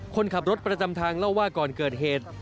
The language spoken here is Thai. คนขับรถประจำทางเล่าว่าก่อนเกิดเหตุ